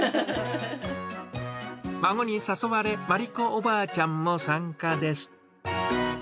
孫に誘われ、真理子おばあちゃんも参加です。